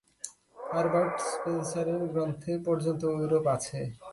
Herbert স্পেন্সারের গ্রন্থে পর্যন্ত ঐরূপ আছে।